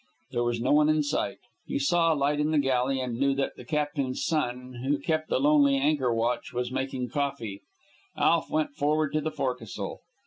There was no one in sight. He saw a light in the galley, and knew that the captain's son, who kept the lonely anchor watch, was making coffee. Alf went forward to the forecastle.